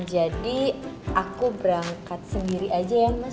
jadi aku berangkat sendiri aja ya mas